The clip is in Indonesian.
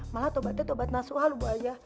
malah tobatnya tobat masual bu aja